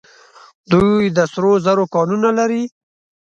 دوی د سرو زرو کانونه لري.